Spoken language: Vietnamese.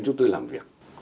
chúng tôi làm việc